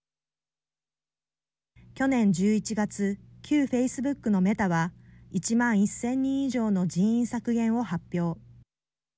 去年１１月旧フェイスブックのメタは１万１０００人以上の人員削減を発表。